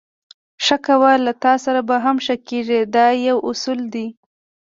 ښه کوه له تاسره به هم ښه کېږي دا یو اصل دی.